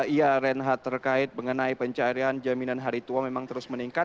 iya renha terkait mengenai pencairian jaminan hari tua memang terus meningkat